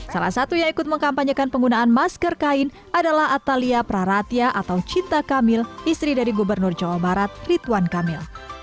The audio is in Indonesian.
salah satu yang ikut mengkampanyekan penggunaan masker kain adalah atalia praratia atau cinta kamil istri dari gubernur jawa barat rituan kamil